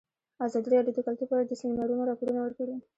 ازادي راډیو د کلتور په اړه د سیمینارونو راپورونه ورکړي.